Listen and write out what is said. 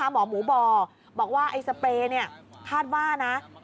หมอหมูบอกว่าไอ้สเปรย์คาดว่านะ